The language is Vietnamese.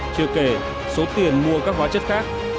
chưa kể số tiền mua các hóa chất khác